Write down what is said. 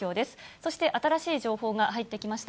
そして新しい情報が入ってきました。